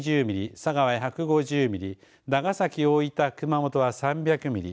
佐賀は１５０ミリ長崎、大分、熊本は３００ミリ